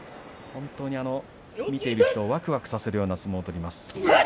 本当に見ている人をわくわくさせるような相撲を取ります。